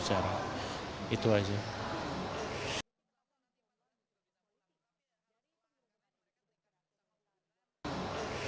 saya juga mengalami yang sama